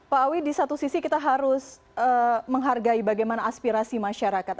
pak awi di satu sisi kita harus menghargai bagaimana aspirasi masyarakat